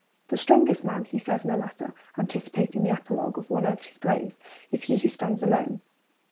'The strongest man,' he says in a letter, anticipating the epilogue of one of his plays, 'is he who stands alone.'